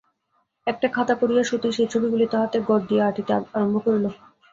একটা খাতা করিয়া সতীশ এই ছবিগুলি তাহাতে গঁদ দিয়া আঁটিতে আরম্ভ করিয়াছিল।